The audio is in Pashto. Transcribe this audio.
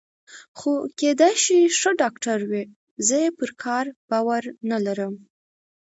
خو کېدای شي ښه ډاکټر وي، زه یې پر کار باور نه لرم.